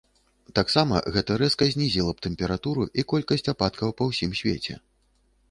Таксама гэта рэзка знізіла б тэмпературу і колькасць ападкаў па ўсім свеце.